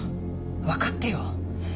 分かってよ」